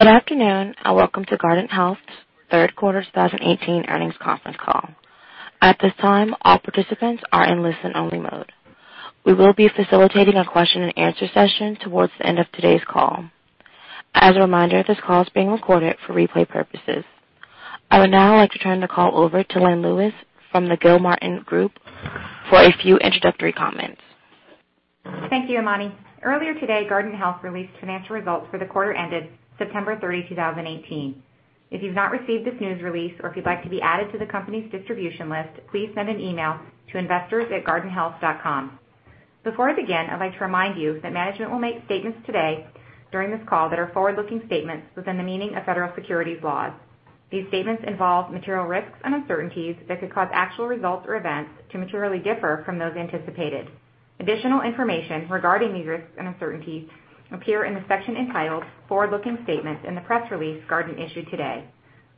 Good afternoon, and welcome to Guardant Health's third quarter 2018 earnings conference call. At this time, all participants are in listen-only mode. We will be facilitating a question and answer session towards the end of today's call. As a reminder, this call is being recorded for replay purposes. I would now like to turn the call over to Lynn Lewis from the Gilmartin Group for a few introductory comments. Thank you, Armani. Earlier today, Guardant Health released financial results for the quarter ended September 30, 2018. If you've not received this news release or if you'd like to be added to the company's distribution list, please send an email to investors@guardanthealth.com. Before I begin, I'd like to remind you that management will make statements today during this call that are forward-looking statements within the meaning of federal securities laws. These statements involve material risks and uncertainties that could cause actual results or events to materially differ from those anticipated. Additional information regarding these risks and uncertainties appear in the section entitled Forward-looking Statements in the press release Guardant issued today.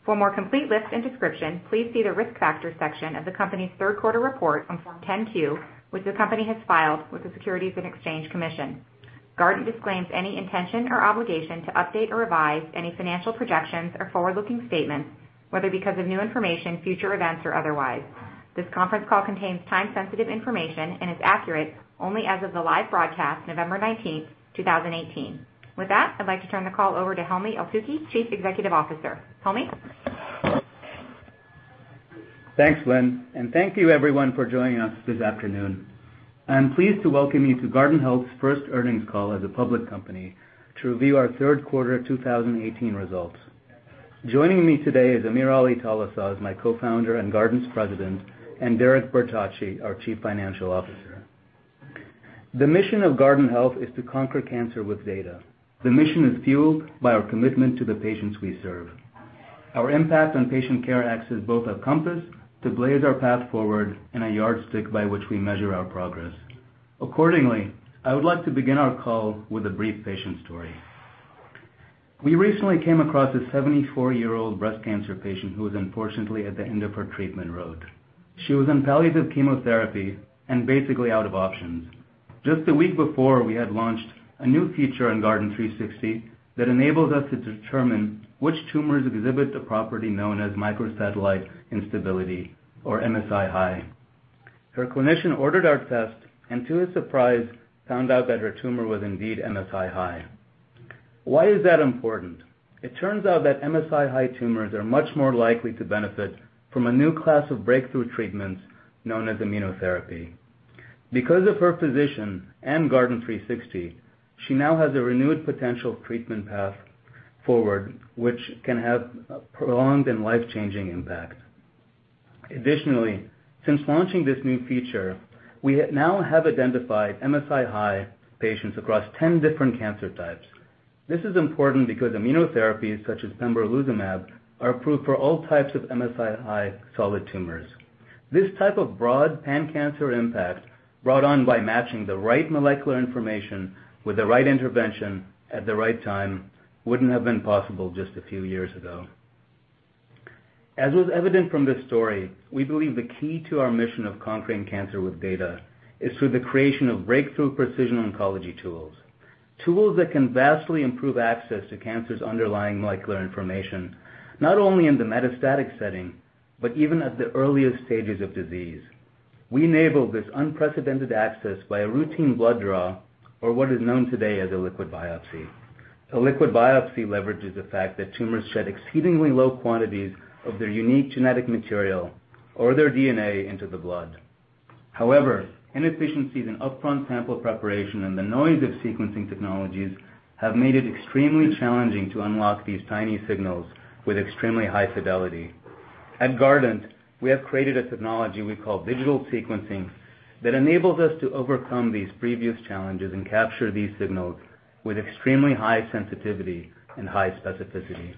For a more complete list and description, please see the Risk Factors section of the company's third quarter report on Form 10-Q, which the company has filed with the Securities and Exchange Commission. Guardant disclaims any intention or obligation to update or revise any financial projections or forward-looking statements, whether because of new information, future events, or otherwise. This conference call contains time-sensitive information and is accurate only as of the live broadcast, November 19th, 2018. With that, I'd like to turn the call over to Helmy Eltoukhy, Chief Executive Officer. Helmy? Thanks, Lynn, and thank you, everyone, for joining us this afternoon. I am pleased to welcome you to Guardant Health's first earnings call as a public company to review our third quarter 2018 results. Joining me today is AmirAli Talasaz, my co-founder and Guardant's President, and Derek Bertocci, our Chief Financial Officer. The mission of Guardant Health is to conquer cancer with data. The mission is fueled by our commitment to the patients we serve. Our impact on patient care acts as both a compass to blaze our path forward and a yardstick by which we measure our progress. Accordingly, I would like to begin our call with a brief patient story. We recently came across a 74-year-old breast cancer patient who was unfortunately at the end of her treatment road. She was on palliative chemotherapy and basically out of options. Just a week before, we had launched a new feature on Guardant360 that enables us to determine which tumors exhibit the property known as microsatellite instability, or MSI-H. Her clinician ordered our test and to his surprise, found out that her tumor was indeed MSI-H. Why is that important? It turns out that MSI-H tumors are much more likely to benefit from a new class of breakthrough treatments known as immunotherapy. Because of her physician and Guardant360, she now has a renewed potential treatment path forward, which can have a prolonged and life-changing impact. Additionally, since launching this new feature, we now have identified MSI-H patients across 10 different cancer types. This is important because immunotherapies such as pembrolizumab are approved for all types of MSI-H solid tumors. This type of broad pan-cancer impact, brought on by matching the right molecular information with the right intervention at the right time, wouldn't have been possible just a few years ago. As was evident from this story, we believe the key to our mission of conquering cancer with data is through the creation of breakthrough precision oncology tools. Tools that can vastly improve access to cancer's underlying molecular information, not only in the metastatic setting, but even at the earliest stages of disease. We enable this unprecedented access by a routine blood draw or what is known today as a liquid biopsy. A liquid biopsy leverages the fact that tumors shed exceedingly low quantities of their unique genetic material or their DNA into the blood. Inefficiencies in upfront sample preparation and the noise of sequencing technologies have made it extremely challenging to unlock these tiny signals with extremely high fidelity. At Guardant, we have created a technology we call digital sequencing that enables us to overcome these previous challenges and capture these signals with extremely high sensitivity and high specificity.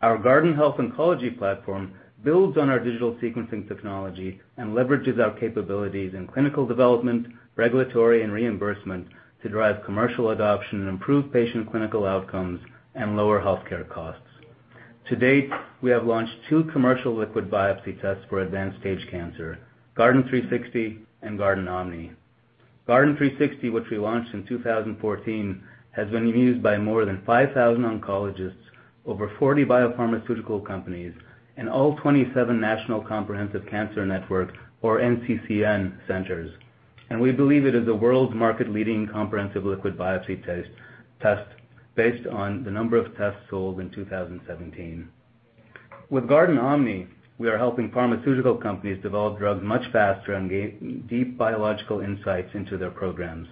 Our Guardant Health Oncology platform builds on our digital sequencing technology and leverages our capabilities in clinical development, regulatory, and reimbursement to drive commercial adoption and improve patient clinical outcomes and lower healthcare costs. To date, we have launched two commercial liquid biopsy tests for advanced stage cancer, Guardant360 and GuardantOMNI. Guardant360, which we launched in 2014, has been used by more than 5,000 oncologists, over 40 biopharmaceutical companies, and all 27 National Comprehensive Cancer Network, or NCCN centers, and we believe it is the world's market-leading comprehensive liquid biopsy test based on the number of tests sold in 2017. With GuardantOMNI, we are helping pharmaceutical companies develop drugs much faster and gain deep biological insights into their programs.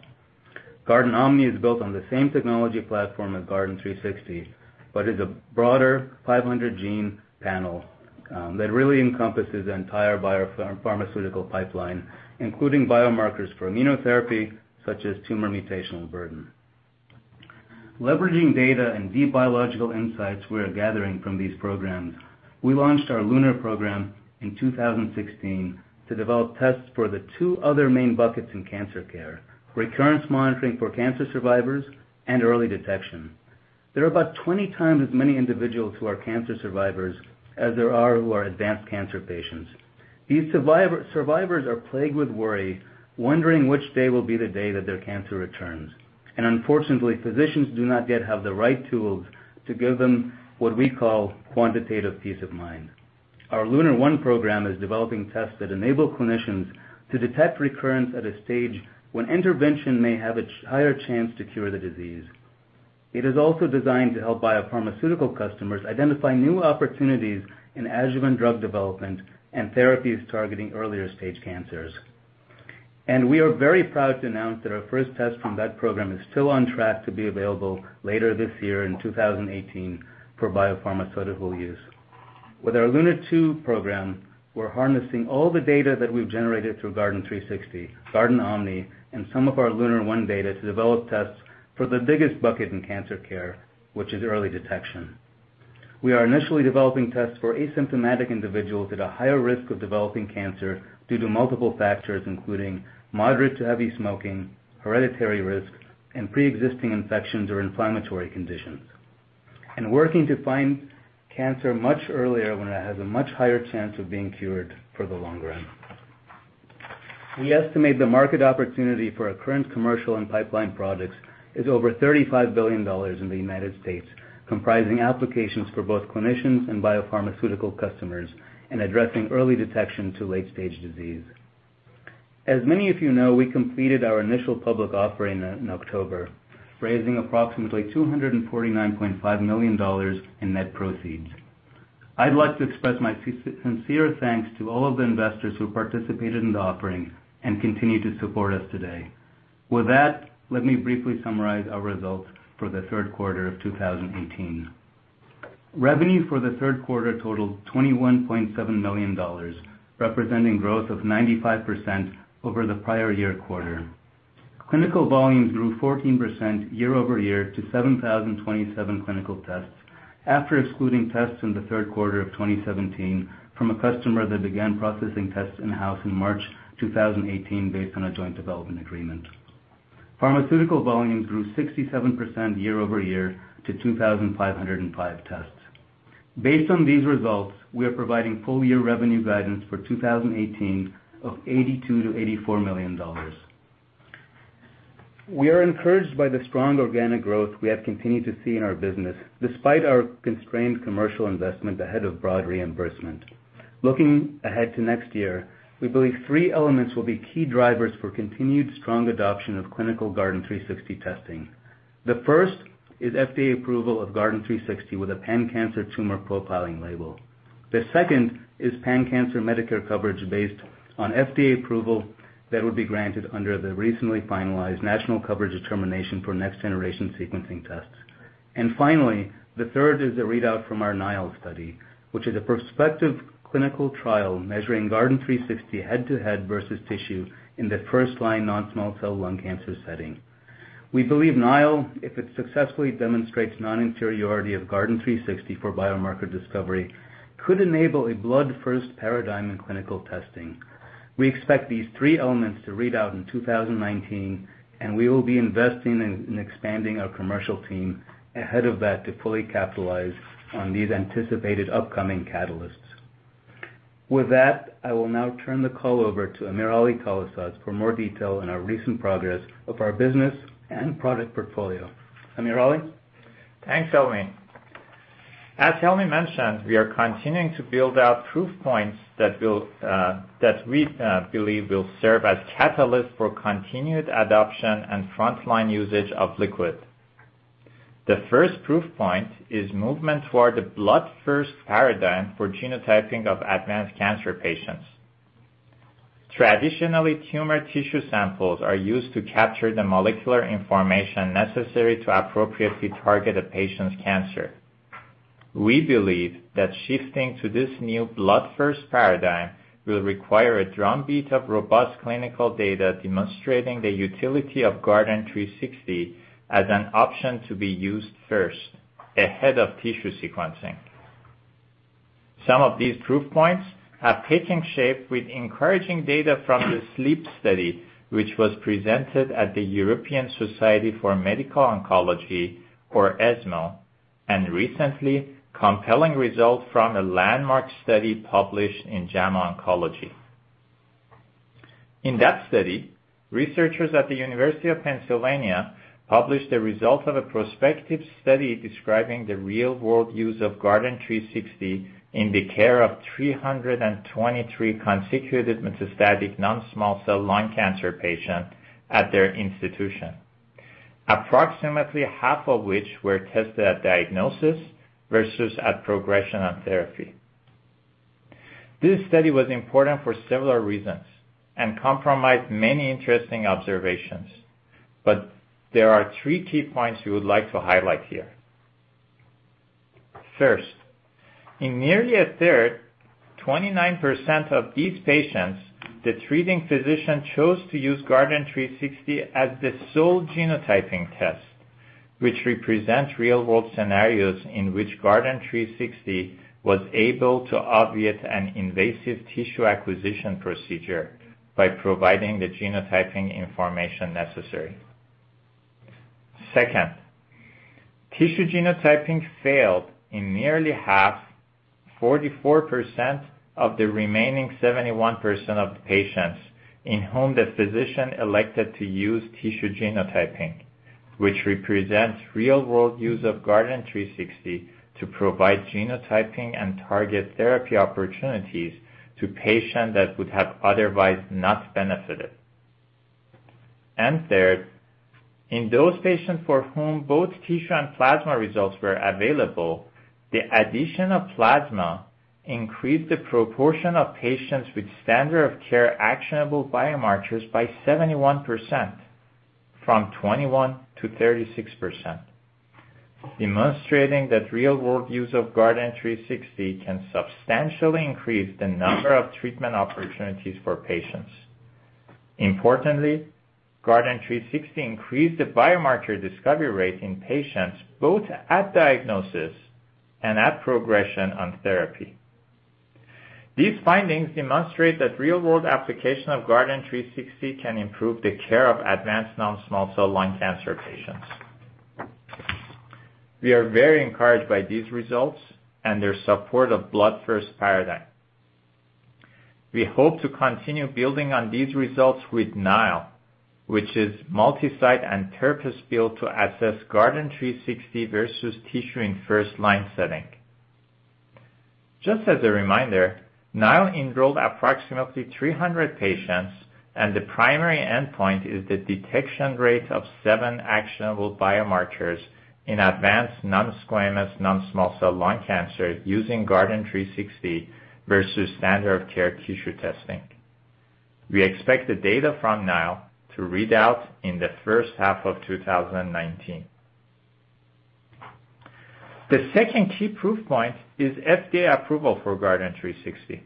GuardantOMNI is built on the same technology platform as Guardant360, but is a broader 500 gene panel that really encompasses the entire biopharmaceutical pipeline, including biomarkers for immunotherapy such as tumor mutational burden. Leveraging data and deep biological insights we are gathering from these programs, we launched our LUNAR program in 2016 to develop tests for the two other main buckets in cancer care, recurrence monitoring for cancer survivors and early detection. There are about 20 times as many individuals who are cancer survivors as there are who are advanced cancer patients. These survivors are plagued with worry, wondering which day will be the day that their cancer returns. Unfortunately, physicians do not yet have the right tools to give them what we call quantitative peace of mind. Our LUNAR One program is developing tests that enable clinicians to detect recurrence at a stage when intervention may have a higher chance to cure the disease. It is also designed to help biopharmaceutical customers identify new opportunities in adjuvant drug development and therapies targeting earlier stage cancers. We are very proud to announce that our first test from that program is still on track to be available later this year in 2018 for biopharmaceutical use. With our LUNAR Two program, we're harnessing all the data that we've generated through Guardant360, GuardantOMNI, and some of our LUNAR One data to develop tests for the biggest bucket in cancer care, which is early detection. We are initially developing tests for asymptomatic individuals at a higher risk of developing cancer due to multiple factors, including moderate to heavy smoking, hereditary risk, and preexisting infections or inflammatory conditions, and working to find cancer much earlier when it has a much higher chance of being cured for the long run. We estimate the market opportunity for our current commercial and pipeline products is over $35 billion in the United States, comprising applications for both clinicians and biopharmaceutical customers in addressing early detection to late stage disease. As many of you know, we completed our initial public offering in October, raising approximately $249.5 million in net proceeds. I'd like to express my sincere thanks to all of the investors who participated in the offering and continue to support us today. With that, let me briefly summarize our results for the third quarter of 2018. Revenue for the third quarter totaled $21.7 million, representing growth of 95% over the prior year quarter. Clinical volume grew 14% year-over-year to 7,027 clinical tests, after excluding tests in the third quarter of 2017 from a customer that began processing tests in-house in March 2018 based on a joint development agreement. Pharmaceutical volume grew 67% year-over-year to 2,505 tests. Based on these results, we are providing full year revenue guidance for 2018 of $82 million to $84 million. We are encouraged by the strong organic growth we have continued to see in our business, despite our constrained commercial investment ahead of broad reimbursement. Looking ahead to next year, we believe three elements will be key drivers for continued strong adoption of clinical Guardant360 testing. The first is FDA approval of Guardant360 with a pan-cancer tumor profiling label. The second is pan-cancer Medicare coverage based on FDA approval that would be granted under the recently finalized national coverage determination for next generation sequencing tests. Finally, the third is the readout from our NILE Study, which is a prospective clinical trial measuring Guardant360 head-to-head versus tissue in the first-line non-small cell lung cancer setting. We believe NILE, if it successfully demonstrates non-inferiority of Guardant360 for biomarker discovery, could enable a blood first paradigm in clinical testing. We expect these three elements to read out in 2019. We will be investing in expanding our commercial team ahead of that to fully capitalize on these anticipated upcoming catalysts. With that, I will now turn the call over to AmirAli Talasaz for more detail on our recent progress of our business and product portfolio. AmirAli? Thanks, Helmy. As Helmy mentioned, we are continuing to build out proof points that we believe will serve as catalysts for continued adoption and frontline usage of liquid. The first proof point is movement toward the blood first paradigm for genotyping of advanced cancer patients. Traditionally, tumor tissue samples are used to capture the molecular information necessary to appropriately target a patient's cancer. We believe that shifting to this new blood first paradigm will require a drumbeat of robust clinical data demonstrating the utility of Guardant360 as an option to be used first, ahead of tissue sequencing. Some of these proof points are taking shape with encouraging data from the NILE Study, which was presented at the European Society for Medical Oncology, or ESMO, and recently, compelling results from a landmark study published in JAMA Oncology. In that study, researchers at the University of Pennsylvania published the result of a prospective study describing the real world use of Guardant360 in the care of 323 consecutive metastatic non-small cell lung cancer patients at their institution, approximately half of which were tested at diagnosis versus at progression on therapy. This study was important for several reasons and compromised many interesting observations. There are three key points we would like to highlight here. First, in nearly a third, 29% of these patients, the treating physician chose to use Guardant360 as the sole genotyping test, which represents real-world scenarios in which Guardant360 was able to obviate an invasive tissue acquisition procedure by providing the genotyping information necessary. Second, tissue genotyping failed in nearly half, 44% of the remaining 71% of the patients in whom the physician elected to use tissue genotyping, which represents real world use of Guardant360 to provide genotyping and target therapy opportunities to patient that would have otherwise not benefited. Third, in those patients for whom both tissue and plasma results were available, the addition of plasma increased the proportion of patients with standard of care actionable biomarkers by 71%, from 21%-36%, demonstrating that real world use of Guardant360 can substantially increase the number of treatment opportunities for patients. Importantly, Guardant360 increased the biomarker discovery rate in patients both at diagnosis and at progression on therapy. These findings demonstrate that real world application of Guardant360 can improve the care of advanced non-small cell lung cancer patients. We are very encouraged by these results and their support of blood first paradigm. We hope to continue building on these results with NILE, which is multi-site and therapies bill to assess Guardant360 versus tissue in first line setting. Just as a reminder, NILE enrolled approximately 300 patients, and the primary endpoint is the detection rate of seven actionable biomarkers in advanced non-squamous, non-small cell lung cancer using Guardant360 versus standard of care tissue testing. We expect the data from NILE to read out in the first half of 2019. The second key proof point is FDA approval for Guardant360.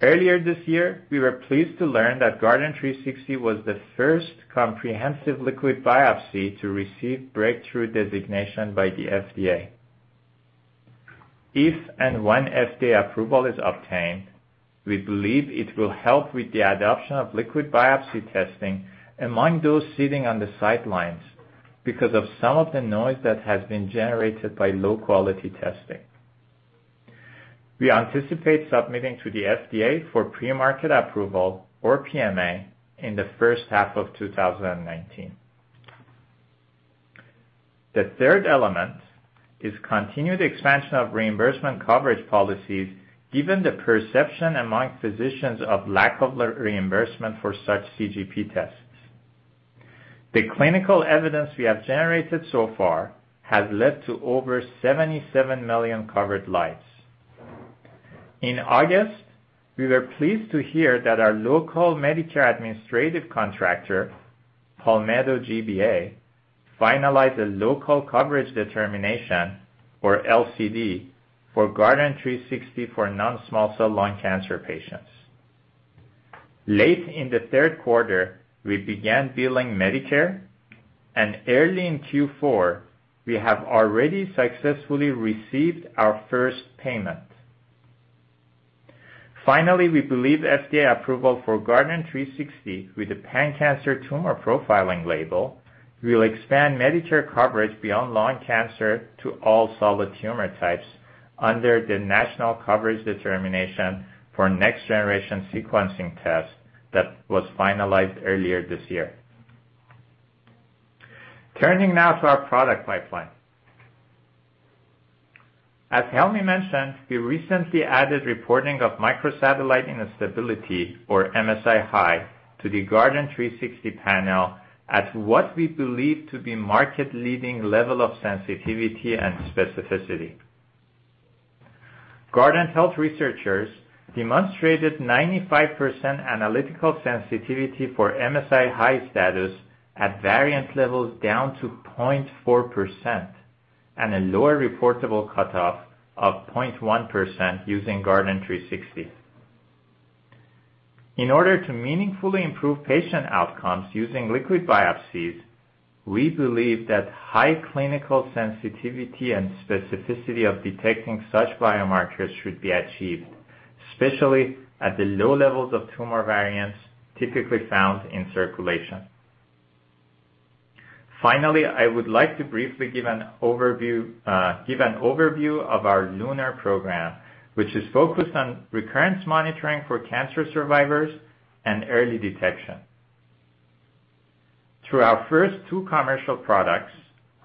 Earlier this year, we were pleased to learn that Guardant360 was the first comprehensive liquid biopsy to receive Breakthrough designation by the FDA. If and when FDA approval is obtained, we believe it will help with the adoption of liquid biopsy testing among those sitting on the sidelines because of some of the noise that has been generated by low-quality testing. We anticipate submitting to the FDA for pre-market approval or PMA in the first half of 2019. The third element is continued expansion of reimbursement coverage policies, given the perception among physicians of lack of reimbursement for such CGP tests. The clinical evidence we have generated so far has led to over 77 million covered lives. In August, we were pleased to hear that our local Medicare administrative contractor, Palmetto GBA, finalized a local coverage determination, or LCD, for Guardant360 for non-small cell lung cancer patients. Late in the third quarter, we began billing Medicare, and early in Q4, we have already successfully received our first payment. Finally, we believe FDA approval for Guardant360 with the pan-cancer tumor profiling label will expand Medicare coverage beyond lung cancer to all solid tumor types under the national coverage determination for next generation sequencing test that was finalized earlier this year. Turning now to our product pipeline. As Helmy mentioned, we recently added reporting of microsatellite instability, or MSI-H, to the Guardant360 panel at what we believe to be market leading level of sensitivity and specificity. Guardant Health researchers demonstrated 95% analytical sensitivity for MSI-H status at variant levels down to 0.4%, and a lower reportable cutoff of 0.1% using Guardant360. In order to meaningfully improve patient outcomes using liquid biopsies, we believe that high clinical sensitivity and specificity of detecting such biomarkers should be achieved, especially at the low levels of tumor variants typically found in circulation. Finally, I would like to briefly give an overview of our LUNAR program, which is focused on recurrence monitoring for cancer survivors and early detection. Through our first two commercial products,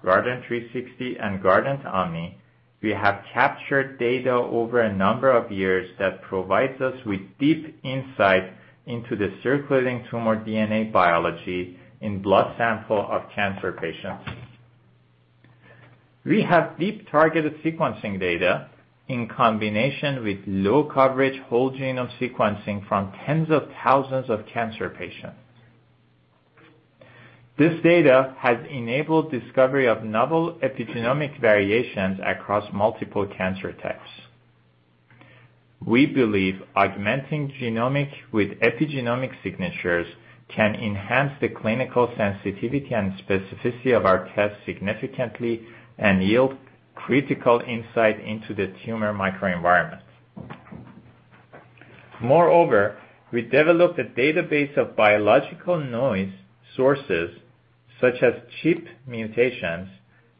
Guardant360 and GuardantOMNI, we have captured data over a number of years that provides us with deep insight into the circulating tumor DNA biology in blood sample of cancer patients. We have deep targeted sequencing data in combination with low coverage whole genome sequencing from tens of thousands of cancer patients. This data has enabled discovery of novel epigenomic variations across multiple cancer types. We believe augmenting genomic with epigenomic signatures can enhance the clinical sensitivity and specificity of our test significantly and yield critical insight into the tumor microenvironment. Moreover, we developed a database of biological noise sources, such as CHIP mutations,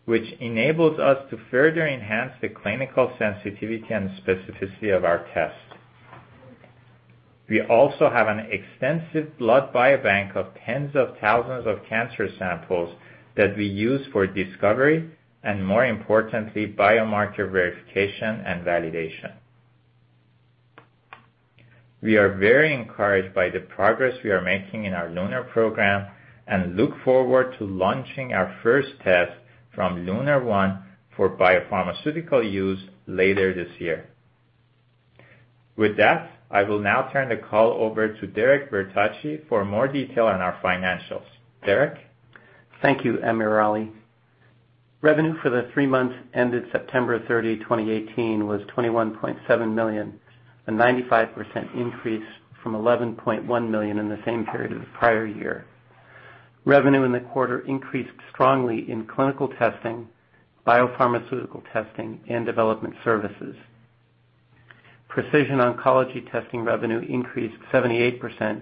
which enables us to further enhance the clinical sensitivity and specificity of our test. We also have an extensive blood biobank of tens of thousands of cancer samples that we use for discovery, and more importantly, biomarker verification and validation. We are very encouraged by the progress we are making in our LUNAR program, and look forward to launching our first test from LUNAR-1 for biopharmaceutical use later this year. With that, I will now turn the call over to Derek Bertocci for more detail on our financials. Derek? Thank you, AmirAli. Revenue for the three months ended September 30, 2018, was $21.7 million, a 95% increase from $11.1 million in the same period of the prior year. Revenue in the quarter increased strongly in clinical testing, biopharmaceutical testing, and development services. Precision oncology testing revenue increased 78%,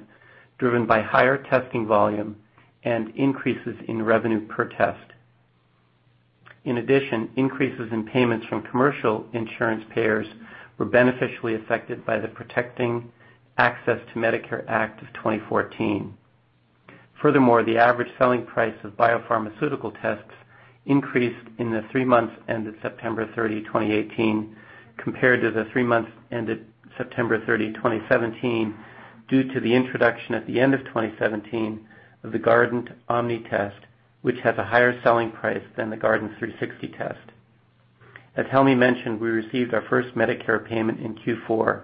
driven by higher testing volume and increases in revenue per test. In addition, increases in payments from commercial insurance payers were beneficially affected by the Protecting Access to Medicare Act of 2014. Furthermore, the average selling price of biopharmaceutical tests increased in the three months ended September 30, 2018, compared to the three months ended September 30, 2017, due to the introduction at the end of 2017 of the GuardantOMNI test, which has a higher selling price than the Guardant360 test. As Helmy mentioned, we received our first Medicare payment in Q4,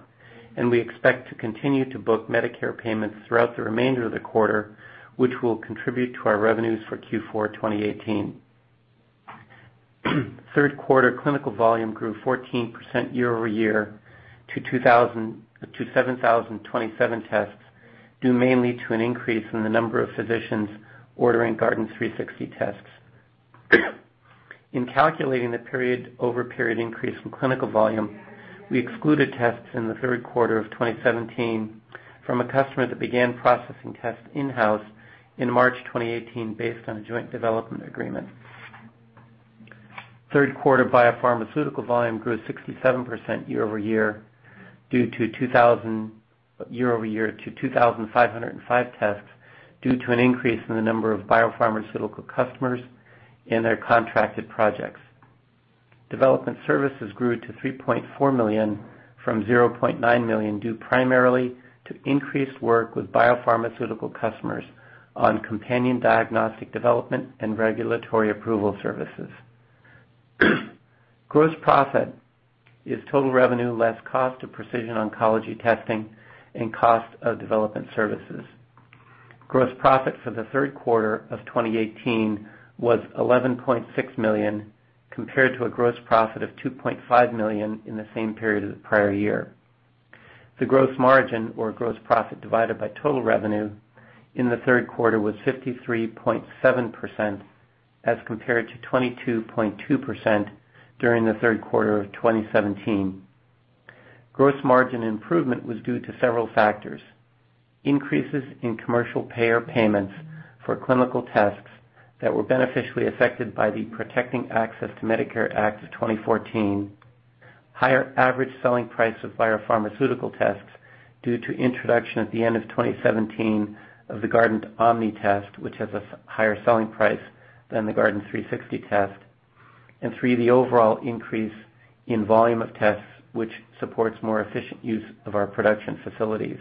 and we expect to continue to book Medicare payments throughout the remainder of the quarter, which will contribute to our revenues for Q4 2018. Third quarter clinical volume grew 14% year-over-year to 7,027 tests, due mainly to an increase in the number of physicians ordering Guardant360 tests. In calculating the period-over-period increase in clinical volume, we excluded tests in the third quarter of 2017 from a customer that began processing tests in-house in March 2018 based on a joint development agreement. Third quarter biopharmaceutical volume grew 67% year-over-year to 2,505 tests, due to an increase in the number of biopharmaceutical customers in their contracted projects. Development services grew to $3.4 million from $0.9 million, due primarily to increased work with biopharmaceutical customers on companion diagnostic development and regulatory approval services. Gross profit is total revenue less cost of precision oncology testing, and cost of development services. Gross profit for the third quarter of 2018 was $11.6 million, compared to a gross profit of $2.5 million in the same period of the prior year. The gross margin or gross profit divided by total revenue in the third quarter was 53.7% as compared to 22.2% during the third quarter of 2017. Gross margin improvement was due to several factors: increases in commercial payer payments for clinical tests that were beneficially affected by the Protecting Access to Medicare Act of 2014, higher average selling price of biopharmaceutical tests due to introduction at the end of 2017 of the GuardantOMNI test, which has a higher selling price than the Guardant360 test. Three, the overall increase in volume of tests, which supports more efficient use of our production facilities.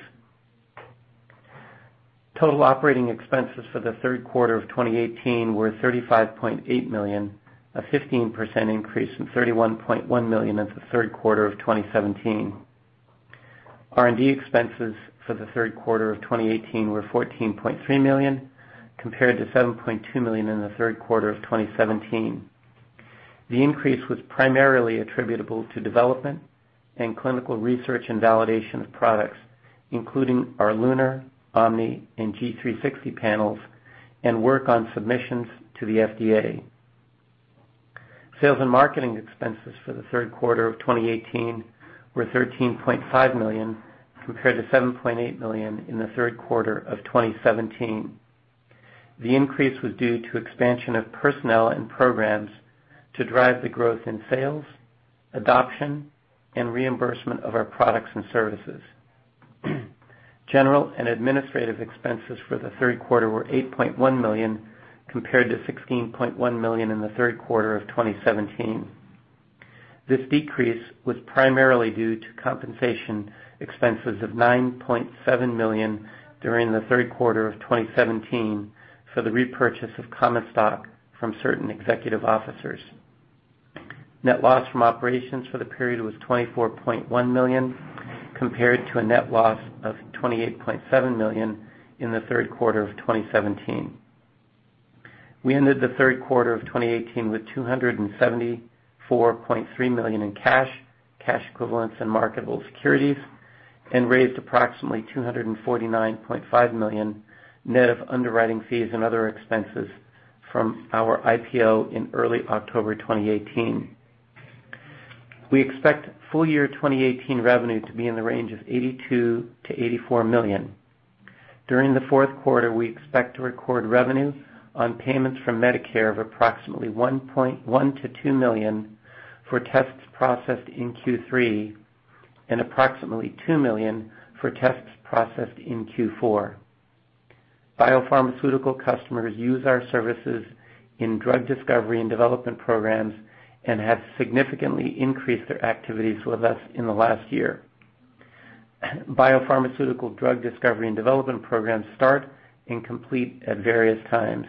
Total operating expenses for the third quarter of 2018 were $35.8 million, a 15% increase from $31.1 million as of third quarter of 2017. R&D expenses for the third quarter of 2018 were $14.3 million compared to $7.2 million in the third quarter of 2017. The increase was primarily attributable to development and clinical research and validation of products, including our LUNAR, GuardantOMNI, and Guardant360 panels and work on submissions to the FDA. Sales and marketing expenses for the third quarter of 2018 were $13.5 million, compared to $7.8 million in the third quarter of 2017. The increase was due to expansion of personnel and programs to drive the growth in sales, adoption, and reimbursement of our products and services. General and administrative expenses for the third quarter were $8.1 million, compared to $16.1 million in the third quarter of 2017. This decrease was primarily due to compensation expenses of $9.7 million during the third quarter of 2017 for the repurchase of common stock from certain executive officers. Net loss from operations for the period was $24.1 million, compared to a net loss of $28.7 million in the third quarter of 2017. We ended the third quarter of 2018 with $274.3 million in cash equivalents, and marketable securities, and raised approximately $249.5 million net of underwriting fees and other expenses from our IPO in early October 2018. We expect full year 2018 revenue to be in the range of $82 million-$84 million. During the fourth quarter, we expect to record revenue on payments from Medicare of approximately $1 million-$2 million for tests processed in Q3, and approximately $2 million for tests processed in Q4. Biopharmaceutical customers use our services in drug discovery and development programs and have significantly increased their activities with us in the last year. Biopharmaceutical drug discovery and development programs start and complete at various times.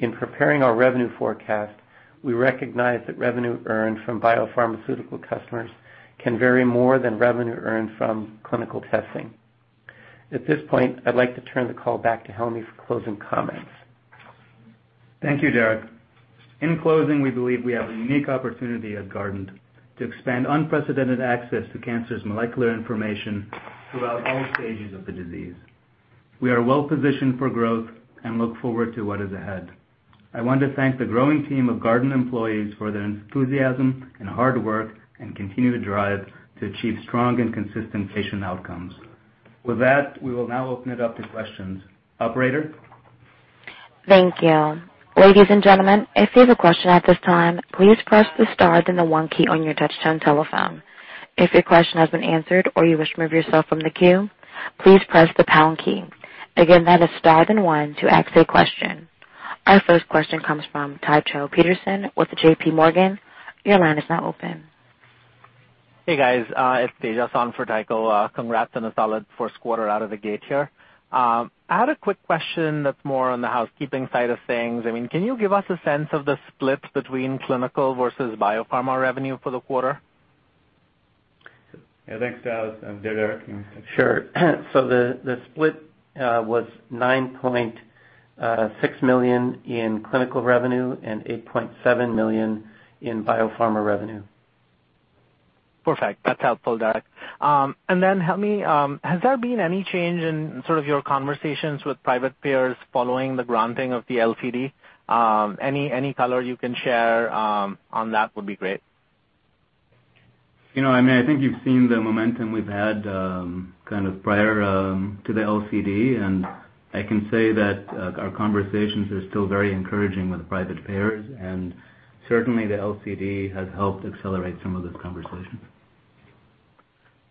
In preparing our revenue forecast, we recognize that revenue earned from biopharmaceutical customers can vary more than revenue earned from clinical testing. At this point, I'd like to turn the call back to Helmy for closing comments. Thank you, Derek. In closing, we believe we have a unique opportunity at Guardant to expand unprecedented access to cancer's molecular information throughout all stages of the disease. We are well-positioned for growth and look forward to what is ahead. I want to thank the growing team of Guardant employees for their enthusiasm and hard work and continued drive to achieve strong and consistent patient outcomes. With that, we will now open it up to questions. Operator? Thank you. Ladies and gentlemen, if you have a question at this time, please press the star then the one key on your touchtone telephone. If your question has been answered or you wish to remove yourself from the queue, please press the pound key. Again, that is star then one to ask a question. Our first question comes from Tycho Peterson with J.P. Morgan. Your line is now open. Hey, guys. It's Tejas on for Tycho. Congrats on a solid first quarter out of the gate here. I had a quick question that's more on the housekeeping side of things. Can you give us a sense of the split between clinical versus biopharma revenue for the quarter? Yeah, thanks, Taj. Derek, you can take that. Sure. The split was $9.6 million in clinical revenue and $8.7 million in biopharma revenue. Perfect. That's helpful, Derek. Has there been any change in sort of your conversations with private payers following the granting of the LCD? Any color you can share on that would be great. I think you've seen the momentum we've had kind of prior to the LCD, I can say that our conversations are still very encouraging with private payers, certainly the LCD has helped accelerate some of those conversations.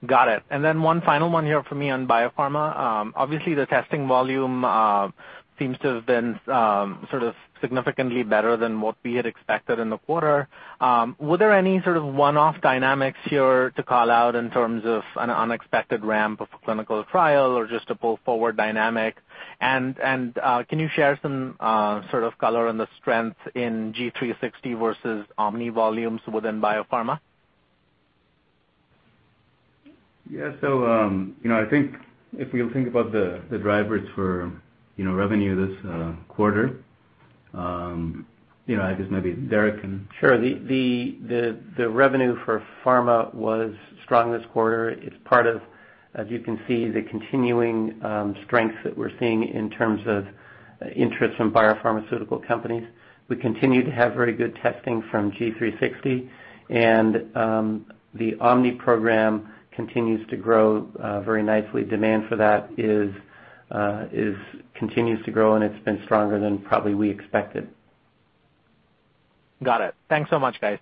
Got it. One final one here from me on biopharma. Obviously, the testing volume seems to have been sort of significantly better than what we had expected in the quarter. Were there any sort of one-off dynamics here to call out in terms of an unexpected ramp of a clinical trial or just a pull-forward dynamic? Can you share some sort of color on the strength in G360 versus Omni volumes within biopharma? I think if we'll think about the drivers for revenue this quarter, I guess maybe Derek can Sure. The revenue for pharma was strong this quarter. It's part of, as you can see, the continuing strength that we're seeing in terms of interest from biopharmaceutical companies. We continue to have very good testing from G360, and the OMNI program continues to grow very nicely. Demand for that continues to grow, and it's been stronger than probably we expected. Got it. Thanks so much, guys.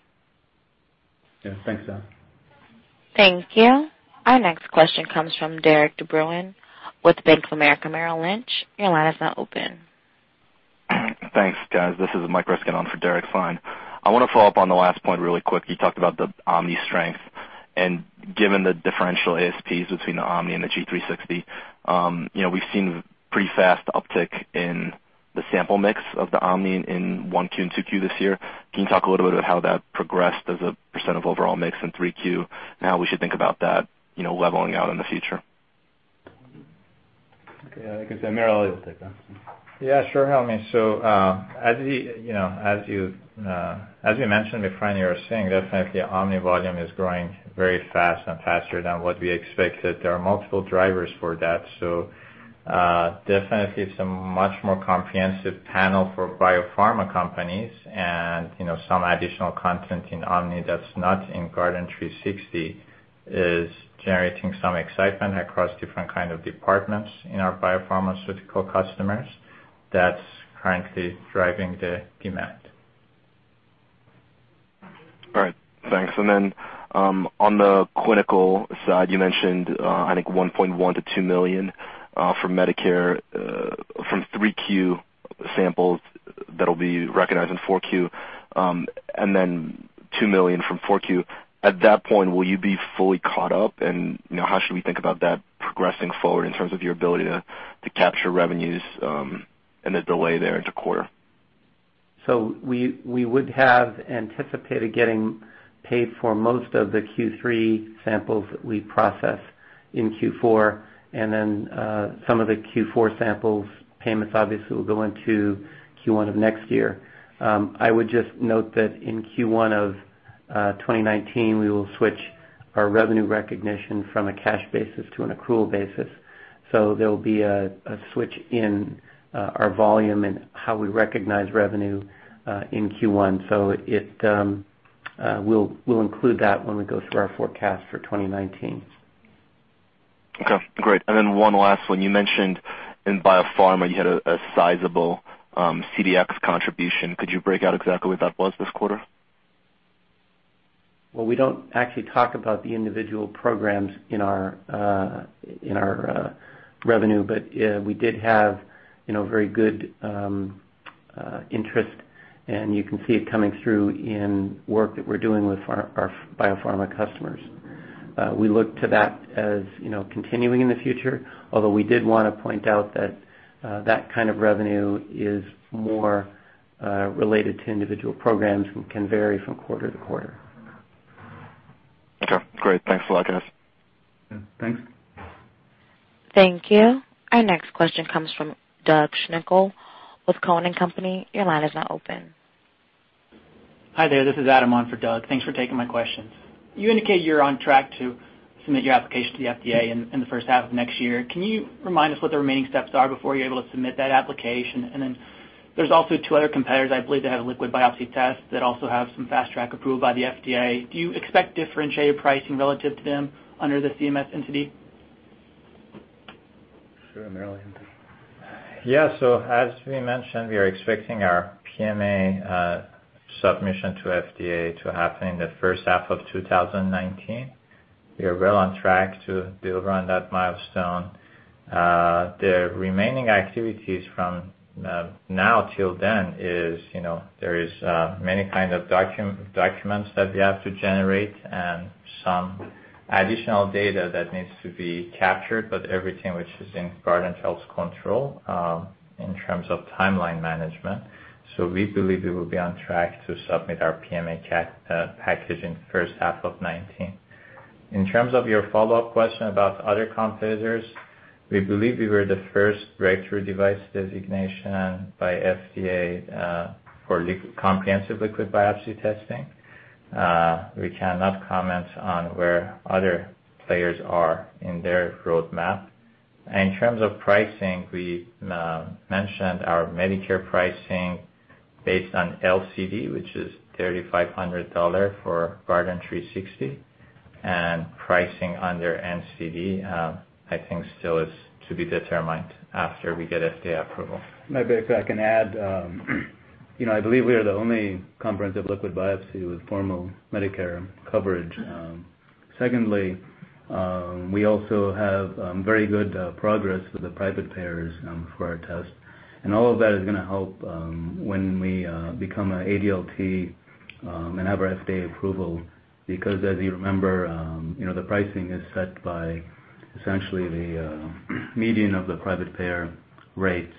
Yeah, thanks, Taj. Thank you. Our next question comes from Derik de Bruin with Bank of America Merrill Lynch. Your line is now open. Thanks, guys. This is Mike Ryskin on for Derik de Bruin. I want to follow up on the last point really quick. You talked about the Omni strength given the differential ASPs between the Omni and the G360. We've seen pretty fast uptick in the sample mix of the Omni in one Q and two Q this year. Can you talk a little bit about how that progressed as a % of overall mix in three Q and how we should think about that leveling out in the future? Okay, I can say AmirAli will take that. Yeah, sure, Helmy. As we mentioned before, you are seeing definitely Omni volume is growing very fast and faster than what we expected. There are multiple drivers for that. Definitely it's a much more comprehensive panel for biopharma companies and some additional content in Omni that's not in Guardant360 is generating some excitement across different kind of departments in our biopharmaceutical customers that's currently driving the demand. All right, thanks. On the clinical side, you mentioned I think $1.1 million-$2 million from Medicare from three Q samples that'll be recognized in four Q, $2 million from four Q. At that point, will you be fully caught up and how should we think about that progressing forward in terms of your ability to capture revenues and the delay there into quarter? We would have anticipated getting paid for most of the Q3 samples that we process in Q4, some of the Q4 samples payments obviously will go into Q1 of next year. I would just note that in Q1 of 2019, we will switch our revenue recognition from a cash basis to an accrual basis. There will be a switch in our volume and how we recognize revenue in Q1. We'll include that when we go through our forecast for 2019. Okay, great. One last one. You mentioned in biopharma you had a sizable CDx contribution. Could you break out exactly what that was this quarter? Well, we don't actually talk about the individual programs in our revenue, but we did have very good interest, and you can see it coming through in work that we're doing with our biopharma customers. We look to that as continuing in the future, although we did want to point out that that kind of revenue is more related to individual programs and can vary from quarter to quarter. Okay, great. Thanks for letting us. Yeah, thanks. Thank you. Our next question comes from Doug Schenkel with Cowen and Company. Your line is now open. Hi there. This is Adam on for Doug. Thanks for taking my questions. You indicate you're on track to submit your application to the FDA in the first half of next year. Can you remind me what the remaining steps are before you're able to submit that application? There's also two other competitors, I believe, that have a liquid biopsy test that also have some fast track approval by the FDA. Do you expect differentiated pricing relative to them under the CMS entity? Sure, AmirAli, do you? Yeah. As we mentioned, we are expecting our PMA submission to FDA to happen in the first half of 2019. We are well on track to deliver on that milestone. The remaining activities from now till then is, there is many kind of documents that we have to generate and some additional data that needs to be captured, everything which is in Guardant Health's control, in terms of timeline management. We believe we will be on track to submit our PMA package in the first half of 2019. In terms of your follow-up question about other competitors, we believe we were the first Breakthrough Device designation by FDA, for comprehensive liquid biopsy testing. We cannot comment on where other players are in their roadmap. In terms of pricing, we mentioned our Medicare pricing based on LCD, which is $3,500 for Guardant360, and pricing under NCD, I think still is to be determined after we get FDA approval. Maybe if I can add. I believe we are the only comprehensive liquid biopsy with formal Medicare coverage. Secondly, we also have very good progress with the private payers for our test. All of that is going to help when we become an ADLT, and have our FDA approval. As you remember, the pricing is set by essentially the median of the private payer rates.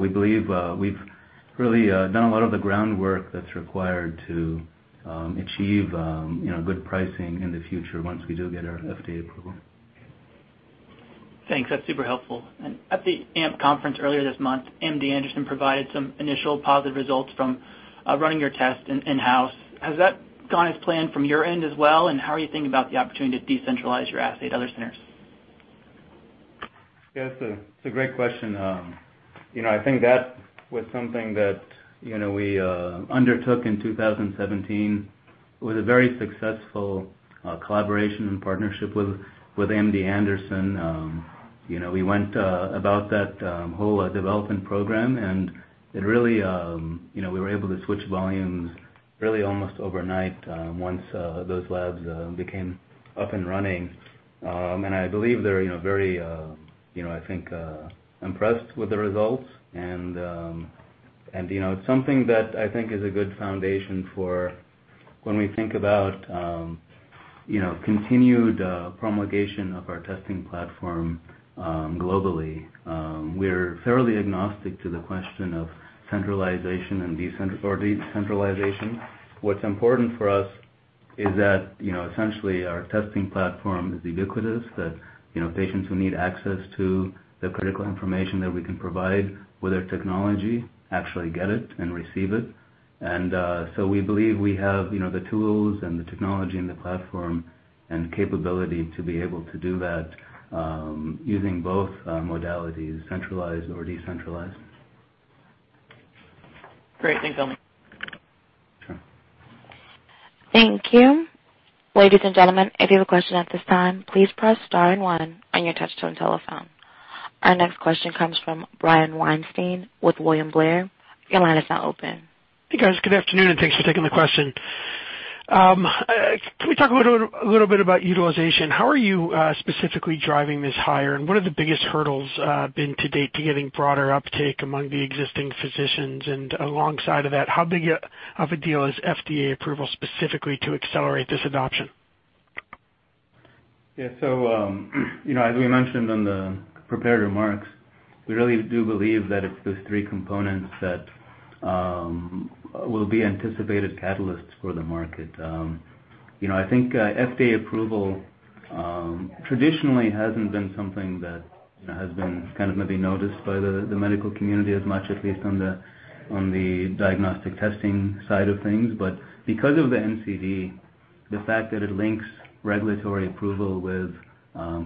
We believe we've really done a lot of the groundwork that's required to achieve good pricing in the future once we do get our FDA approval. Thanks. That's super helpful. At the AMP conference earlier this month, MD Anderson provided some initial positive results from running your test in-house. Has that gone as planned from your end as well, and how are you thinking about the opportunity to decentralize your asset at other centers? Yeah, it's a great question. I think that was something that we undertook in 2017 with a very successful collaboration and partnership with MD Anderson. We went about that whole development program, and we were able to switch volumes really almost overnight, once those labs became up and running. I believe they're very, I think, impressed with the results and it's something that I think is a good foundation for when we think about continued promulgation of our testing platform globally. We're fairly agnostic to the question of centralization or decentralization. What's important for us is that essentially our testing platform is ubiquitous. That patients who need access to the critical information that we can provide with our technology actually get it and receive it. We believe we have the tools and the technology and the platform and capability to be able to do that, using both modalities, centralized or decentralized. Great. Thanks, Helmy. Sure. Thank you. Ladies and gentlemen, if you have a question at this time, please press star and one on your touchtone telephone. Our next question comes from Brian Weinstein with William Blair. Your line is now open. Hey, guys. Good afternoon, and thanks for taking the question. Can we talk a little bit about utilization? How are you specifically driving this higher, and what are the biggest hurdles been to date to getting broader uptake among the existing physicians? Alongside of that, how big of a deal is FDA approval specifically to accelerate this adoption? Yeah. As we mentioned on the prepared remarks, we really do believe that it's those three components that will be anticipated catalysts for the market. I think FDA approval Traditionally hasn't been something that has been maybe noticed by the medical community as much, at least on the diagnostic testing side of things. Because of the NCD, the fact that it links regulatory approval with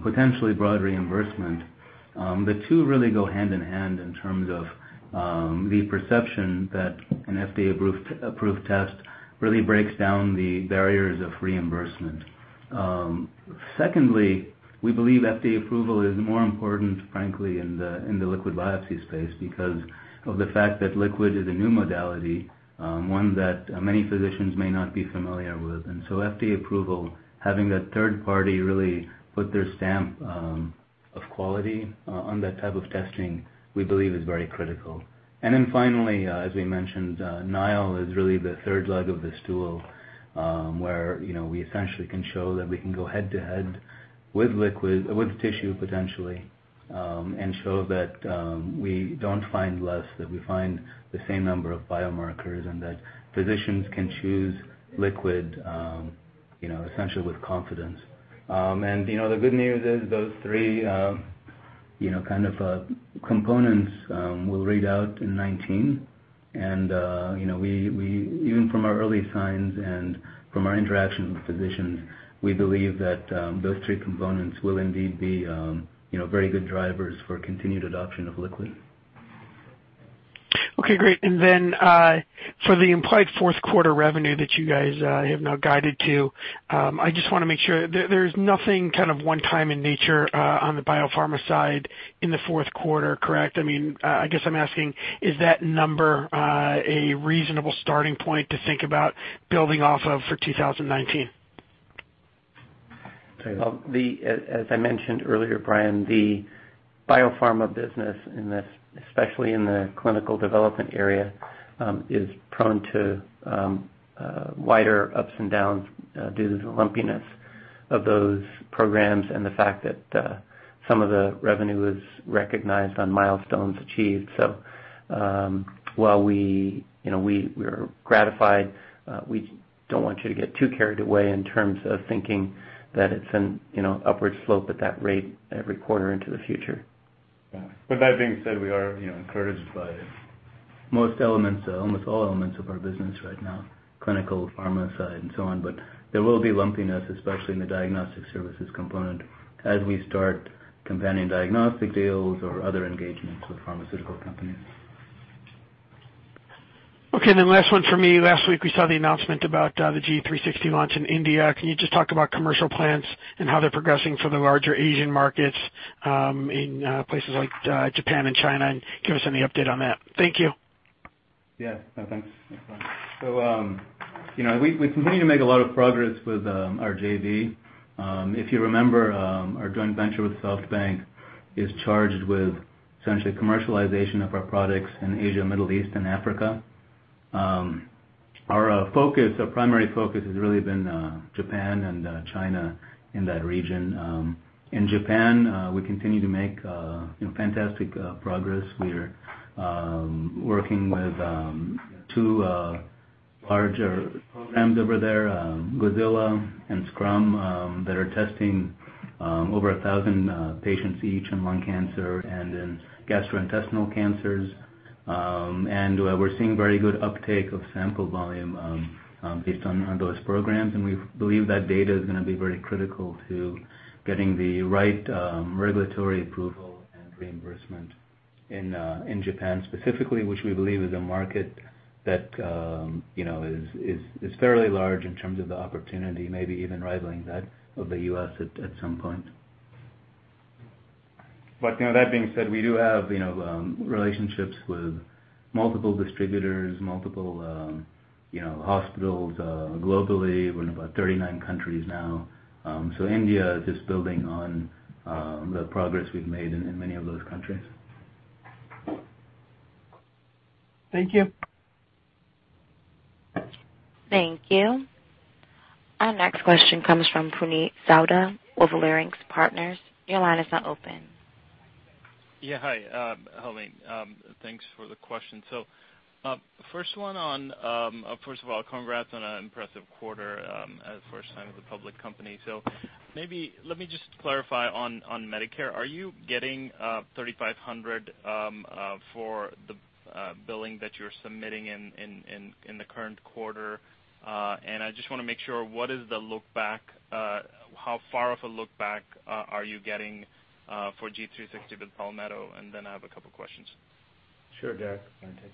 potentially broad reimbursement, the two really go hand in hand in terms of the perception that an FDA-approved test really breaks down the barriers of reimbursement. Secondly, we believe FDA approval is more important, frankly, in the liquid biopsy space because of the fact that liquid is a new modality, one that many physicians may not be familiar with. FDA approval, having that third party really put their stamp of quality on that type of testing, we believe is very critical. Finally, as we mentioned, NILE is really the third leg of this stool, where we essentially can show that we can go head-to-head with tissue potentially, and show that we don't find less, that we find the same number of biomarkers and that physicians can choose liquid, essentially with confidence. The good news is those three kind of components will read out in 2019. Even from our early signs and from our interactions with physicians, we believe that those three components will indeed be very good drivers for continued adoption of liquid. Okay, great. For the implied fourth quarter revenue that you guys have now guided to, I just want to make sure there's nothing kind of one-time in nature on the biopharma side in the fourth quarter, correct? I guess I'm asking, is that number a reasonable starting point to think about building off of for 2019? As I mentioned earlier, Brian, the biopharma business, especially in the clinical development area, is prone to wider ups and downs due to the lumpiness of those programs and the fact that some of the revenue is recognized on milestones achieved. While we're gratified, we don't want you to get too carried away in terms of thinking that it's an upward slope at that rate every quarter into the future. With that being said, we are encouraged by most elements, almost all elements of our business right now, clinical, pharma side and so on, there will be lumpiness, especially in the diagnostic services component, as we start companion diagnostic deals or other engagements with pharmaceutical companies. Last one from me. Last week, we saw the announcement about the G360 launch in India. Can you just talk about commercial plans and how they're progressing for the larger Asian markets in places like Japan and China, and give us any update on that? Thank you. Thanks. We continue to make a lot of progress with our JV. If you remember, our joint venture with SoftBank is charged with essentially commercialization of our products in Asia, Middle East, and Africa. Our primary focus has really been Japan and China in that region. In Japan, we continue to make fantastic progress. We're working with two larger programs over there, GOZILA and SCRUM-Japan, that are testing over 1,000 patients each in lung cancer and in gastrointestinal cancers. We're seeing very good uptake of sample volume based on those programs, and we believe that data is going to be very critical to getting the right regulatory approval and reimbursement in Japan specifically, which we believe is a market that is fairly large in terms of the opportunity, maybe even rivaling that of the U.S. at some point. That being said, we do have relationships with multiple distributors, multiple hospitals globally. We're in about 39 countries now. India is just building on the progress we've made in many of those countries. Thank you. Thank you. Our next question comes from Puneet Souda of Leerink Partners. Your line is now open. Hi, Helmy. Thanks for the question. First of all, congrats on an impressive quarter as first time as a public company. Maybe let me just clarify on Medicare. Are you getting $3,500 for the billing that you're submitting in the current quarter? I just want to make sure, what is the look back? How far of a look back are you getting for G360 with Palmetto? Then I have a couple questions. Sure, Derek.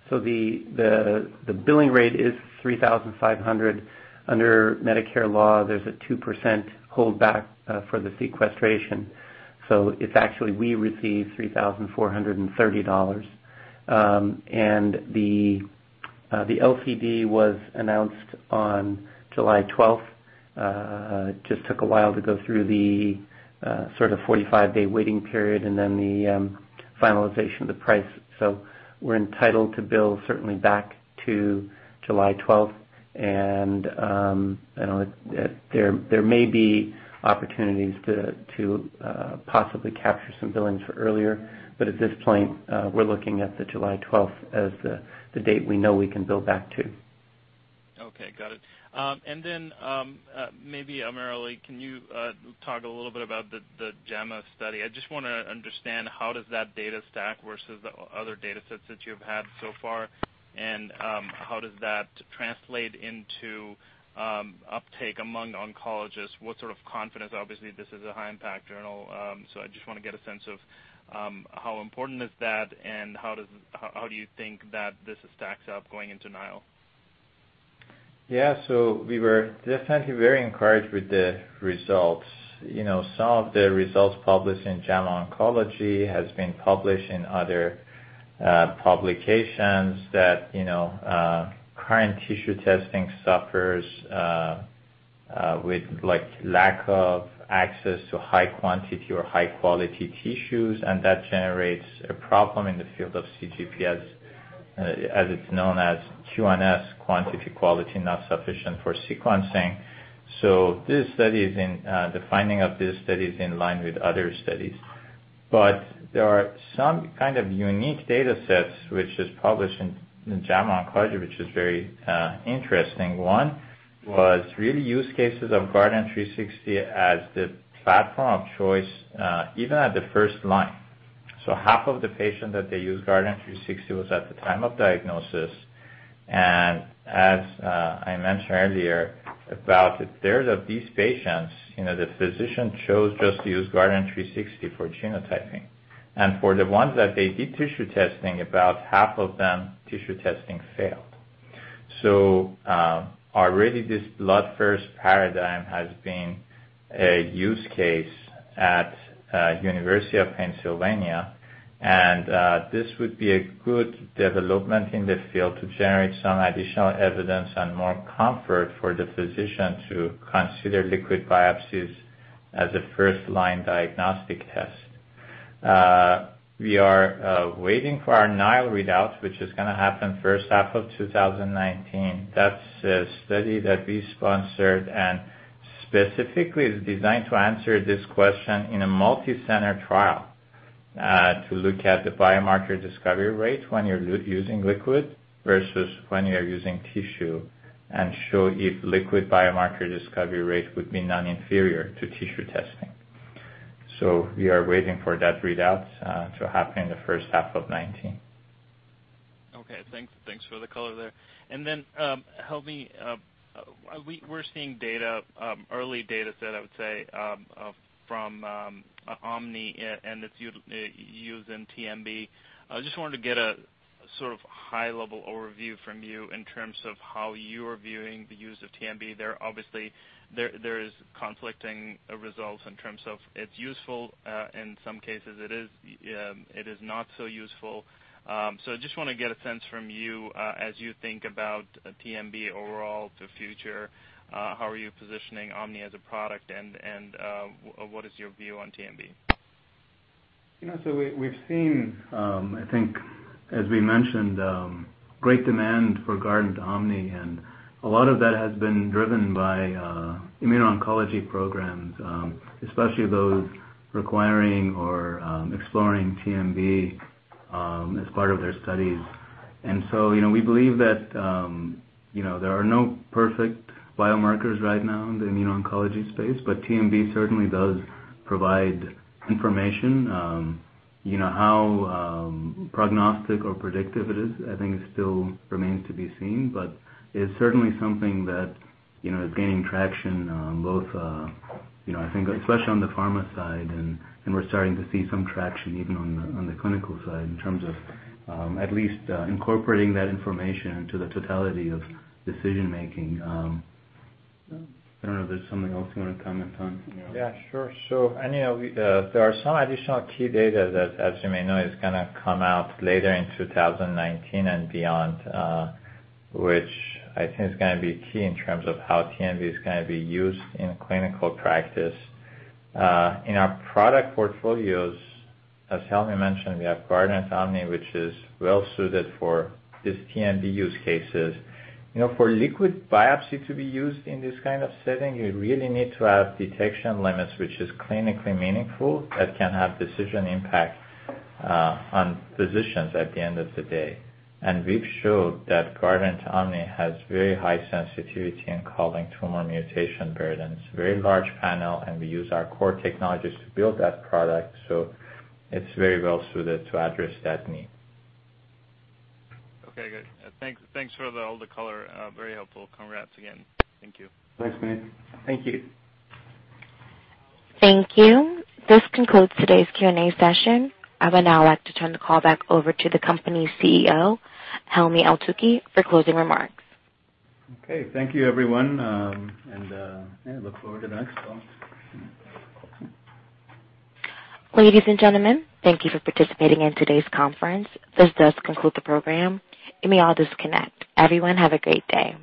The billing rate is $3,500. Under Medicare law, there's a 2% holdback for the sequestration. It's actually, we receive $3,430. The LCD was announced on July 12th. Just took a while to go through the sort of 45-day waiting period and then the finalization of the price. We're entitled to bill certainly back to July 12th, and there may be opportunities to possibly capture some billings for earlier, but at this point, we're looking at the July 12th as the date we know we can bill back to. Okay, got it. Then, maybe AmirAli, can you talk a little bit about the JAMA study? I just want to understand how does that data stack versus the other data sets that you've had so far, and how does that translate into uptake among oncologists? What sort of confidence? Obviously, this is a high impact journal. I just want to get a sense of how important is that and how do you think that this stacks up going into NILE? Yeah. We were definitely very encouraged with the results. Some of the results published in JAMA Oncology has been published in other publications that current tissue testing suffers with lack of access to high quantity or high quality tissues, and that generates a problem in the field of CGP as it's known as QNS, quantity quality not sufficient for sequencing. The finding of this study is in line with other studies. There are some kind of unique data sets, which is published in the JAMA Oncology, which is very interesting. One was really use cases of Guardant360 as the platform of choice, even at the first line. Half of the patient that they use Guardant360 was at the time of diagnosis. As I mentioned earlier, about a third of these patients, the physician chose just to use Guardant360 for genotyping. For the ones that they did tissue testing, about half of them, tissue testing failed. Already this blood first paradigm has been a use case at University of Pennsylvania, and this would be a good development in the field to generate some additional evidence and more comfort for the physician to consider liquid biopsies as a first line diagnostic test. We are waiting for our NILE readout, which is going to happen first half of 2019. That's a study that we sponsored and specifically is designed to answer this question in a multicenter trial to look at the biomarker discovery rate when you're using liquid versus when you're using tissue and show if liquid biomarker discovery rate would be non-inferior to tissue testing. We are waiting for that readout to happen in the first half of 2019. Okay. Thanks for the color there. Then, Helmy, we're seeing early data set, I would say, from Omni and its use in TMB. I just wanted to get a sort of high level overview from you in terms of how you're viewing the use of TMB there. Obviously, there is conflicting results in terms of it's useful, in some cases, it is not so useful. I just want to get a sense from you, as you think about TMB overall to future, how are you positioning Omni as a product and what is your view on TMB? We've seen, I think as we mentioned, great demand for GuardantOMNI, and a lot of that has been driven by immuno-oncology programs, especially those requiring or exploring TMB as part of their studies. We believe that there are no perfect biomarkers right now in the immuno-oncology space, but TMB certainly does provide information. How prognostic or predictive it is, I think it still remains to be seen, but it's certainly something that is gaining traction both, I think especially on the pharma side, and we're starting to see some traction even on the clinical side in terms of at least incorporating that information into the totality of decision making. I don't know if there's something else you want to comment on. Yeah, sure. There are some additional key data that, as you may know, is going to come out later in 2019 and beyond, which I think is going to be key in terms of how TMB is going to be used in clinical practice. In our product portfolios, as Helmy mentioned, we have GuardantOMNI, which is well suited for this TMB use cases. For liquid biopsy to be used in this kind of setting, you really need to have detection limits which is clinically meaningful that can have decision impact on physicians at the end of the day. We've showed that GuardantOMNI has very high sensitivity in calling tumor mutation burdens, very large panel and we use our core technologies to build that product, so it's very well suited to address that need. Okay, good. Thanks for all the color. Very helpful. Congrats again. Thank you. Thanks, man. Thank you. Thank you. This concludes today's Q&A session. I would now like to turn the call back over to the company's CEO, Helmy Eltoukhy for closing remarks. Okay. Thank you everyone, and look forward to next call. Ladies and gentlemen, thank you for participating in today's conference. This does conclude the program. You may all disconnect. Everyone have a great day.